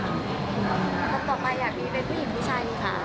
แล้วต่อไปอยากมีผู้หญิงผู้ชายค่ะ